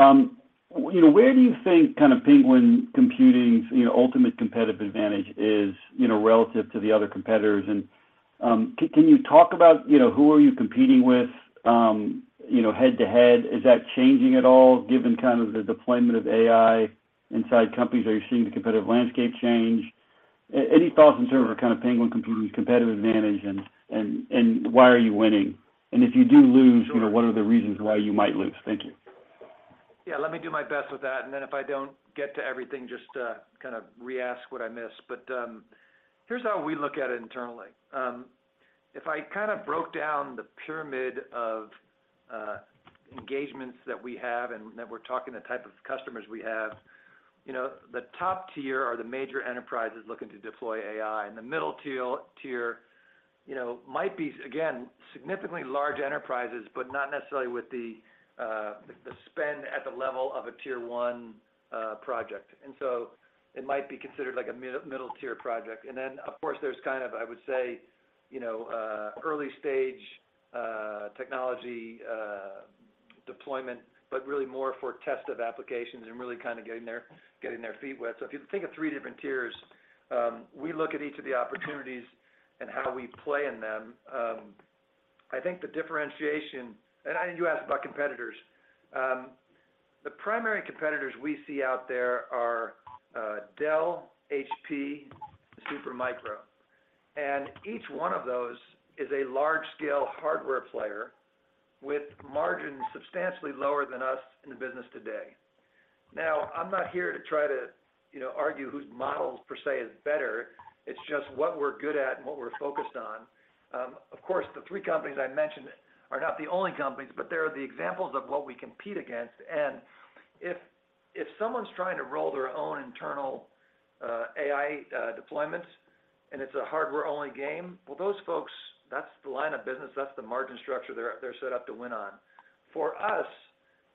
You know, where do you think kind of Penguin Computing's, you know, ultimate competitive advantage is, you know, relative to the other competitors? Can you talk about, you know, who are you competing with, you know, head-to-head? Is that changing at all, given kind of the deployment of AI inside companies? Are you seeing the competitive landscape change? Any thoughts in terms of kind of Penguin Computing's competitive advantage, and why are you winning? If you do lose, you know, what are the reasons why you might lose? Thank you. Yeah, let me do my best with that, then if I don't get to everything, just kind of re-ask what I missed. Here's how we look at it internally. If I kind of broke down the pyramid of engagements that we have, then we're talking the type of customers we have, you know, the top tier are the major enterprises looking to deploy AI, the middle tier, you know, might be, again, significantly large enterprises, but not necessarily with the spend at the level of a tier one project. It might be considered like a middle tier project. Of course, there's kind of, I would say, you know, early stage technology deployment, but really more for test of applications and really kind of getting their feet wet. If you think of 3 different tiers, we look at each of the opportunities and how we play in them. I think the differentiation. You asked about competitors. The primary competitors we see out there are Dell, HP, Supermicro, and each one of those is a large-scale hardware player with margins substantially lower than us in the business today. Now, I'm not here to try to, you know, argue whose model per se is better. It's just what we're good at and what we're focused on. Of course, the 3 companies I mentioned are not the only companies, but they are the examples of what we compete against. If, if someone's trying to roll their own internal AI deployments and it's a hardware-only game, well, those folks, that's the line of business, that's the margin structure they're set up to win on. For us,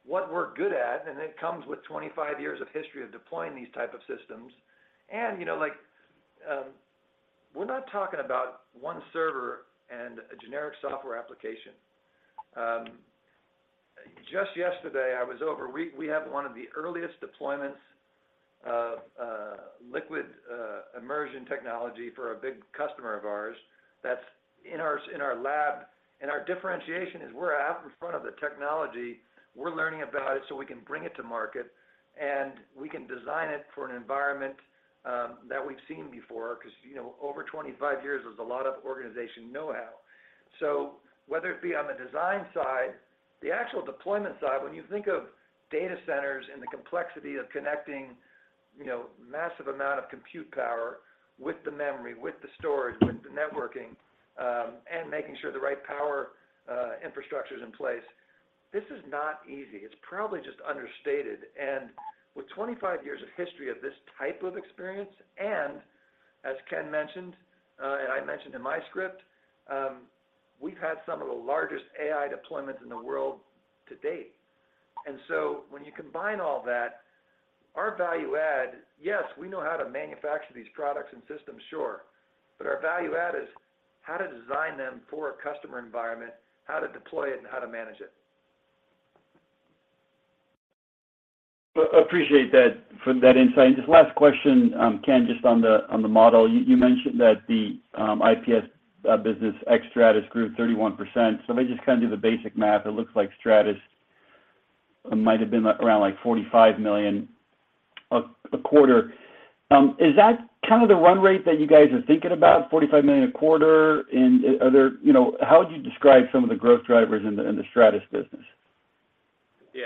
what we're good at, and it comes with 25 years of history of deploying these type of systems, and, you know, like, we're not talking about one server and a generic software application. We have one of the earliest deployments of liquid immersion technology for a big customer of ours that's in our lab. Our differentiation is we're out in front of the technology. We're learning about it, so we can bring it to market, and we can design it for an environment, that we've seen before, because, you know, over 25 years, there's a lot of organization know-how. Whether it be on the design side, the actual deployment side, when you think of data centers and the complexity of connecting, you know, massive amount of compute power with the memory, with the storage, with the networking, and making sure the right power infrastructure is in place, this is not easy. It's probably just understated. 25 years of history of this type of experience, and as Ken mentioned, and I mentioned in my script, we've had some of the largest AI deployments in the world to date. When you combine all that, our value add, yes, we know how to manufacture these products and systems, sure. Our value add is how to design them for a customer environment, how to deploy it, and how to manage it. Well, appreciate that for that insight. Just last question, Ken, just on the, on the model. You, you mentioned that the IPS business ex Stratus grew 31%. If I just kinda do the basic math, it looks like Stratus might have been around like $45 million a quarter. Is that kind of the run rate that you guys are thinking about, $45 million a quarter? You know, how would you describe some of the growth drivers in the, in the Stratus business? Yeah.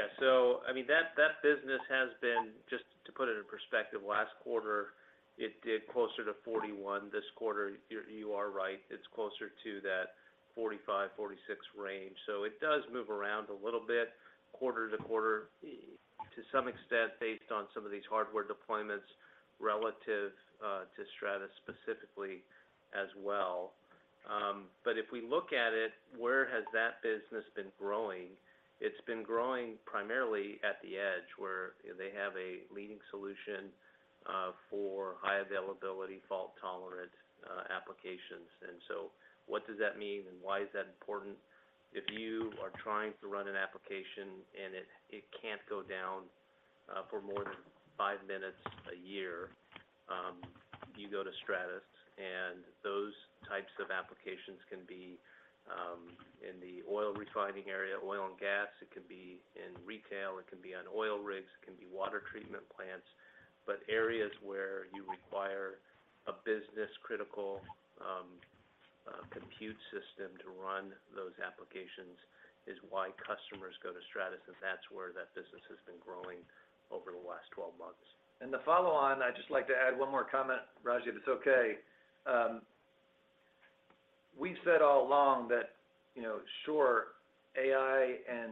I mean, that business has been... Just to put it in perspective, last quarter, it did closer to $41. This quarter, you are right, it's closer to that $45-$46 range. It does move around a little bit quarter to quarter, to some extent based on some of these hardware deployments relative to Stratus specifically as well. But if we look at it, where has that business been growing? It's been growing primarily at the edge, where, you know, they have a leading solution for high availability, fault-tolerant applications. What does that mean, and why is that important? If you are trying to run an application and it can't go down for more than 5 minutes a year, you go to Stratus. Those types of applications can be in the oil refining area, oil and gas, it can be in retail, it can be on oil rigs, it can be water treatment plants. Areas where you require a business-critical compute system to run those applications is why customers go to Stratus, and that's where that business has been growing over the last 12 months. To follow on, I'd just like to add one more comment, Rajiv, if it's okay. We've said all along that, you know, sure, AI and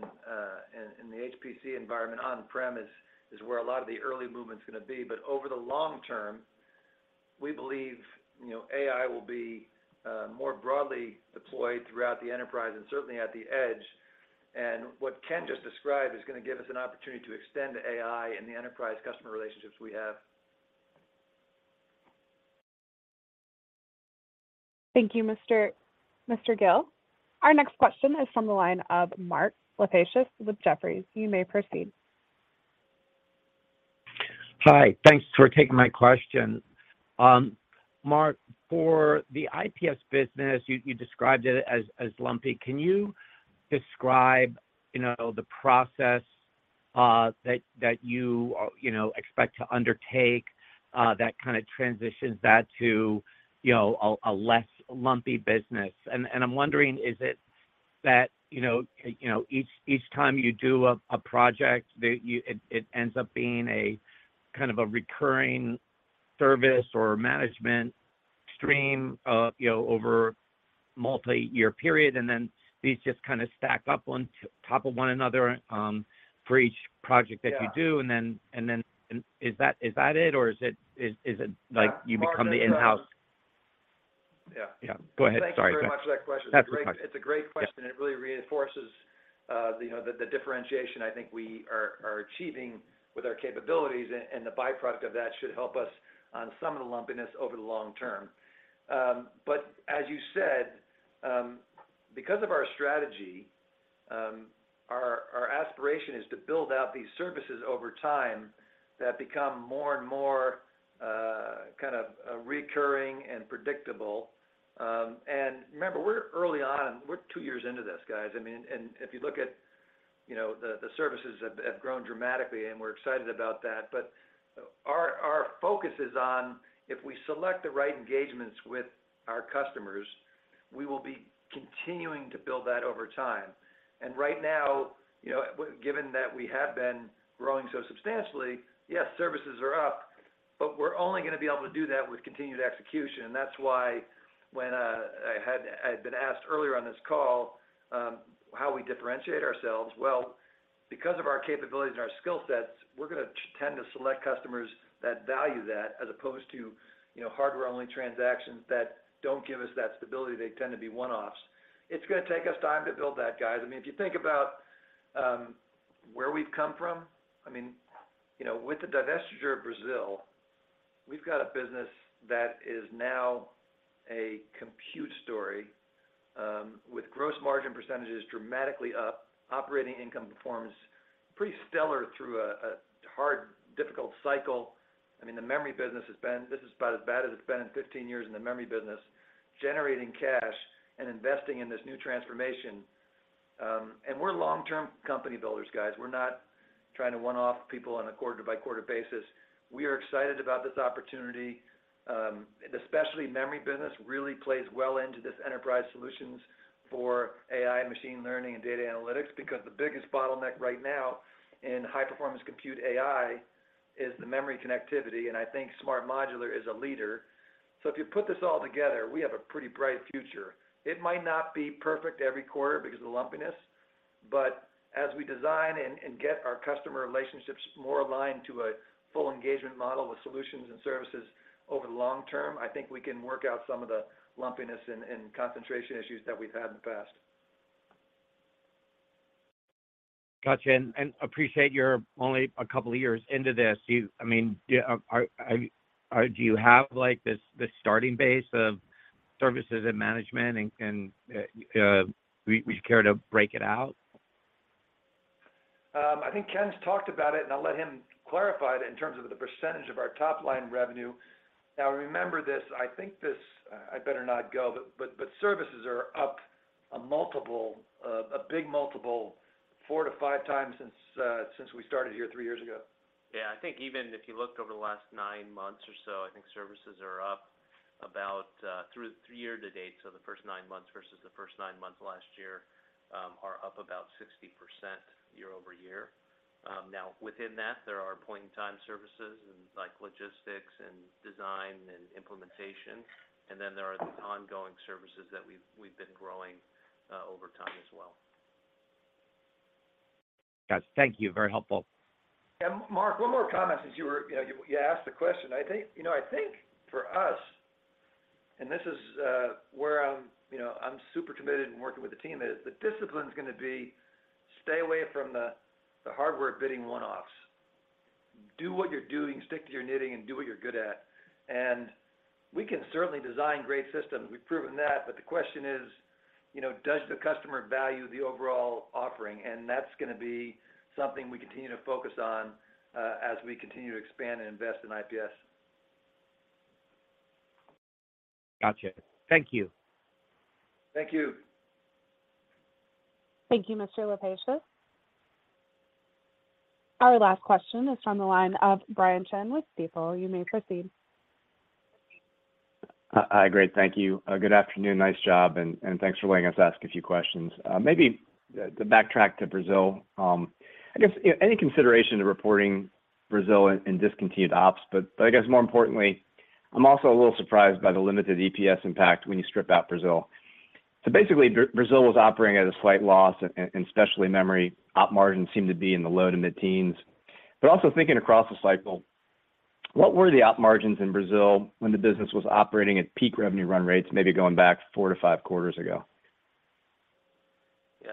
the HPC environment on-premise is where a lot of the early movement's going to be, but over the long term, we believe, you know, AI will be more broadly deployed throughout the enterprise and certainly at the edge. What Ken just described is going to give us an opportunity to extend the AI and the enterprise customer relationships we have. Hi, thanks for taking my question. Mark, for the IPS business, you described it as lumpy. Can you describe, you know, the process that you know, expect to undertake that kind of transitions that to, you know, a less lumpy business? I'm wondering, is it that, you know, each time you do a project that it ends up being a kind of a recurring service or management stream, you know, over multi-year period, and then these just kind of stack up on top of one another for each project that you do? Yeah. Then, and is that it, or is it like... Yeah. Mark,... you become the in-house? Yeah. Yeah, go ahead. Sorry. Thank you very much for that question. Happy to talk. It's a great question. Yeah. It really reinforces, you know, the differentiation I think we are achieving with our capabilities, and the by-product of that should help us on some of the lumpiness over the long term. As you said, because of our strategy, our aspiration is to build out these services over time that become more and more, kind of, recurring and predictable. Remember, we're early on. We're two years into this, guys. I mean, if you look at, you know, the services have grown dramatically, and we're excited about that. Our focus is on if we select the right engagements with our customers, we will be continuing to build that over time. Right now, you know, given that we have been growing so substantially, yes, services are up, but we're only going to be able to do that with continued execution. That's why when I had been asked earlier on this call, how we differentiate ourselves. Well, because of our capabilities and our skill sets, we're going to tend to select customers that value that, as opposed to, you know, hardware-only transactions that don't give us that stability, they tend to be one-offs. It's going to take us time to build that, guys. I mean, if you think about, where we've come from, I mean, you know, with the divestiture of SMART Brazil, we've got a business that is now a compute story, with gross margin percentages dramatically up, operating income performance pretty stellar through a hard, difficult cycle. I mean, the memory business this is about as bad as it's been in 15 years in the memory business, generating cash and investing in this new transformation. We're long-term company builders, guys. We're not trying to one-off people on a quarter-by-quarter basis. We are excited about this opportunity. The Specialty Memory business really plays well into this enterprise solutions for AI, machine learning, and data analytics, because the biggest bottleneck right now in HPC AI is the memory connectivity, and I think SMART Modular is a leader.... If you put this all together, we have a pretty bright future. It might not be perfect every quarter because of the lumpiness, but as we design and get our customer relationships more aligned to a full engagement model with solutions and services over the long term, I think we can work out some of the lumpiness and concentration issues that we've had in the past. Gotcha. Appreciate you're only a couple of years into this. I mean, yeah, are, do you have, like, this starting base of services and management, and, would you care to break it out? I think Ken's talked about it, and I'll let him clarify it in terms of the percentage of our top line revenue. Now, remember this, I think this, I better not go, but services are up a multiple, a big multiple, four to five times since we started here three years ago. I think even if you looked over the last nine months or so, I think services are up about through year-to-date, so the first nine months versus the first nine months last year, are up about 60% year-over-year. Now, within that, there are point-in-time services and, like, logistics and design and implementation, and then there are the ongoing services that we've been growing over time as well. Gotcha. Thank you. Very helpful. Mark, one more comment as you were, you know, you asked the question. I think, you know, I think for us, and this is, where I'm, you know, I'm super committed in working with the team, is the discipline's gonna be stay away from the hardware bidding one-offs. Do what you're doing, stick to your knitting and do what you're good at. We can certainly design great systems. We've proven that, but the question is, you know, does the customer value the overall offering? That's gonna be something we continue to focus on, as we continue to expand and invest in IPS. Gotcha. Thank you. Thank you. Hi. Great, thank you. good afternoon, nice job, and thanks for letting us ask a few questions. maybe to backtrack to Brazil, I guess, any consideration to reporting Brazil in discontinued ops? I guess more importantly, I'm also a little surprised by the limited EPS impact when you strip out Brazil. Basically, Brazil was operating at a slight loss, and Specialty Memory Op margins seemed to be in the low to mid-teens. Also thinking across the cycle, what were the Op margins in Brazil when the business was operating at peak revenue run rates, maybe going back 4 to 5 quarters ago? Yeah.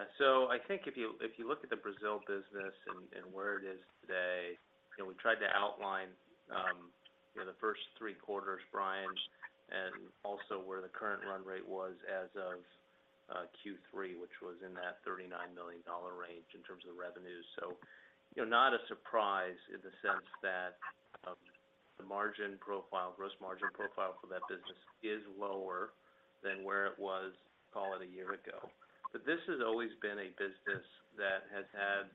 I think if you, if you look at the Brazil business and where it is today, you know, we tried to outline, you know, the first three quarters, Brian Chin, and also where the current run rate was as of Q3, which was in that $39 million range in terms of the revenues. You know, not a surprise in the sense that the margin profile, gross margin profile for that business is lower than where it was, call it, a year ago. This has always been a business that has had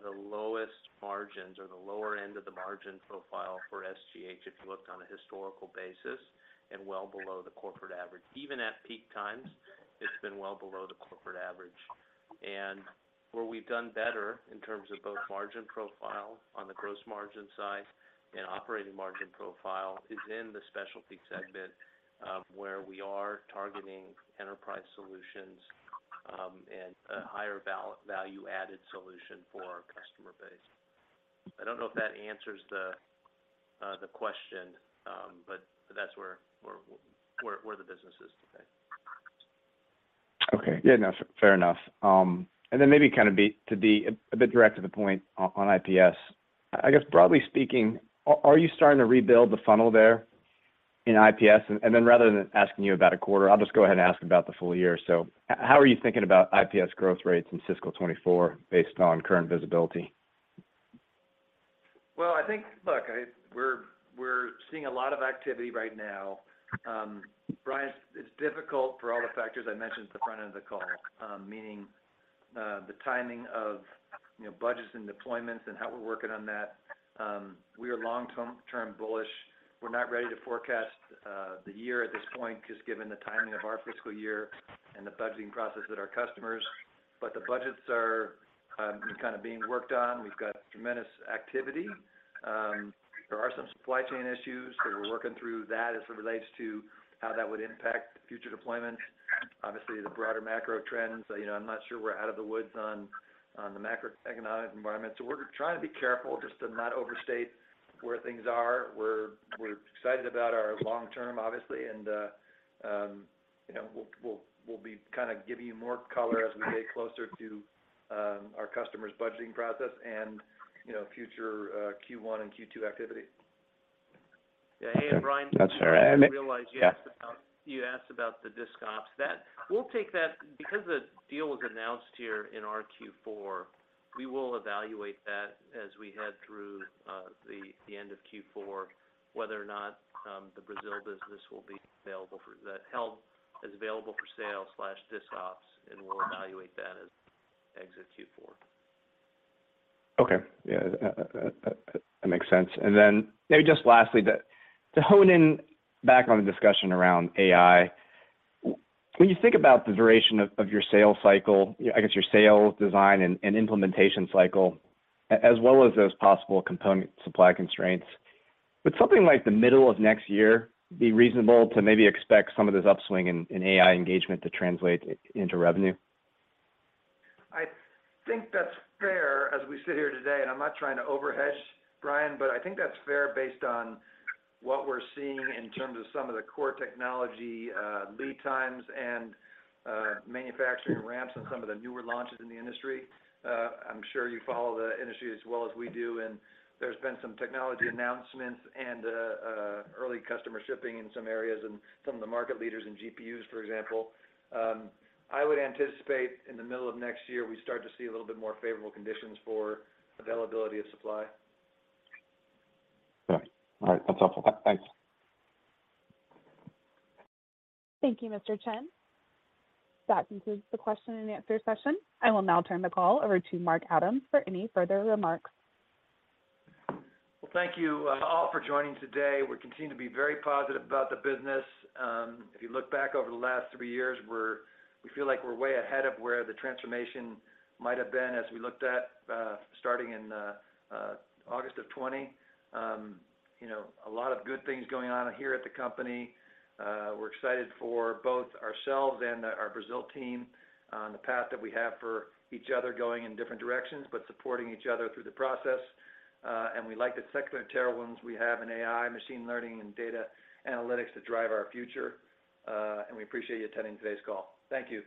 the lowest margins or the lower end of the margin profile for SGH, if you looked on a historical basis, and well below the corporate average. Even at peak times, it's been well below the corporate average. Where we've done better in terms of both margin profile on the gross margin side and operating margin profile, is in the specialties segment, where we are targeting enterprise solutions, and a higher value-added solution for our customer base. I don't know if that answers the question, but that's where the business is today. Okay. Yeah, no, fair enough. Maybe kind of to be a bit direct to the point on IPS, I guess broadly speaking, are you starting to rebuild the funnel there in IPS? Rather than asking you about a quarter, I'll just go ahead and ask about the full year. How are you thinking about IPS growth rates in fiscal 2024, based on current visibility? Well, I think. Look, I, we're seeing a lot of activity right now. Brian, it's difficult for all the factors I mentioned at the front end of the call, meaning the timing of, you know, budgets and deployments and how we're working on that. We are long-term bullish. We're not ready to forecast the year at this point, just given the timing of our fiscal year and the budgeting process with our customers. The budgets are kind of being worked on. We've got tremendous activity. There are some supply chain issues, but we're working through that as it relates to how that would impact future deployments. Obviously, the broader macro trends, you know, I'm not sure we're out of the woods on the macroeconomic environment. We're trying to be careful just to not overstate where things are. We're excited about our long term, obviously, and, you know, we'll be kind of giving you more color as we get closer to our customers' budgeting process and, you know, future Q1 and Q2 activity. Yeah. Hey, Brian- That's fair. I didn't realize you asked about. Yeah. You asked about the discontinued ops. Because the deal was announced here in our Q4, we will evaluate that as we head through the end of Q4, whether or not the Brazil business will be available for held as available for sale/discontinued ops, and we'll evaluate that as we exit Q4. Okay. Yeah, that makes sense. Maybe just lastly, to hone in back on the discussion around AI, when you think about the duration of your sales cycle, I guess your sales, design, and implementation cycle, as well as those possible component supply constraints, would something like the middle of next year be reasonable to maybe expect some of this upswing in AI engagement to translate into revenue? I think that's fair as we sit here today, and I'm not trying to overhedge, Brian, but I think that's fair based on what we're seeing in terms of some of the core technology, lead times and manufacturing ramps on some of the newer launches in the industry. I'm sure you follow the industry as well as we do, and there's been some technology announcements and early customer shipping in some areas, and some of the market leaders in GPUs, for example. I would anticipate in the middle of next year, we start to see a little bit more favorable conditions for availability of supply. Got it. All right, that's helpful. Thanks. Well, thank you, all for joining today. We continue to be very positive about the business. If you look back over the last three years, we feel like we're way ahead of where the transformation might have been as we looked at, starting in August of 2020. You know, a lot of good things going on here at the company. We're excited for both ourselves and our Brazil team, on the path that we have for each other, going in different directions, but supporting each other through the process. We like the secular tailwinds we have in AI, machine learning, and data analytics that drive our future. We appreciate you attending today's call. Thank you.